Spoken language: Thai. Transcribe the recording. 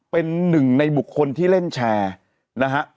เป็นหนึ่งในบุคคลที่เล่นแชร์นะฮะ